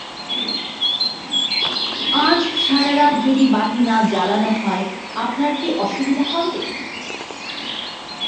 আজ সারা রাত যদি বাতি না জ্বালানো হয় আপনার কি অসুবিধা হবে?